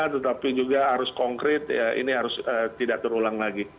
tetapi juga harus konkret ini harus tidak terulang lagi